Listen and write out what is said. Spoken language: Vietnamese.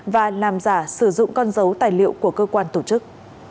và làm giả sử dụng con dấu tài liệu của cơ quan tổ chức